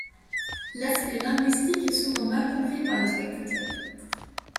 L'aspect linguistique est souvent mal compris par les spectateurs.